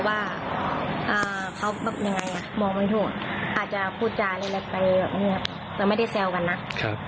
อาจจะพูดจาเล็กไปแต่ไม่ได้แซวกันนะ